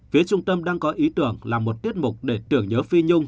phía trung tâm đang có ý tưởng là một tiết mục để tưởng nhớ phi nhung